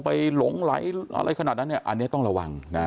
หลงไหลอะไรขนาดนั้นเนี่ยอันนี้ต้องระวังนะ